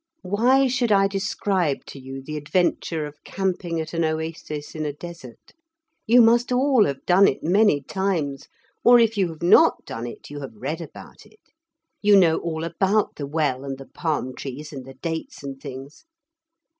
Why should I describe to you the adventure of camping at an oasis in a desert? You must all have done it many times; or if you have not done it, you have read about it. You know all about the well and the palm trees and the dates and things.